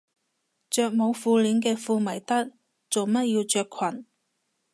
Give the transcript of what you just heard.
着冇褲鏈嘅褲咪得，做乜要着裙